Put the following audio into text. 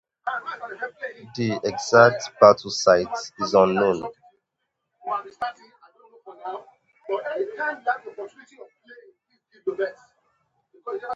The exact battle site is unknown.